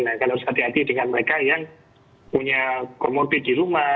nah kan harus hati hati dengan mereka yang punya comorbid di rumah